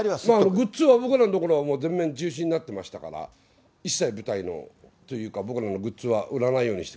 グッズは僕らのところは全面中止になってましたから、一切、舞台のというか、僕らのグッズは売らないようにしてて。